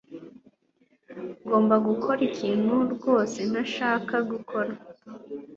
Ngomba gukora ikintu rwose ntashaka gukora